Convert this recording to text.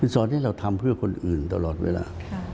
สอนให้เราทำเพื่อคนอื่นตลอดเวลา